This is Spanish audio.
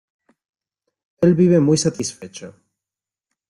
El vive muy satisfecho.